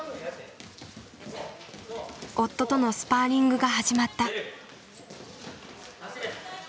夫とのスパーリングが始まった。